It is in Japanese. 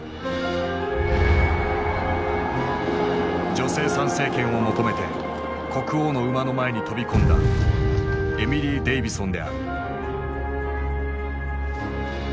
女性参政権を求めて国王の馬の前に飛び込んだエミリー・デイヴィソンである。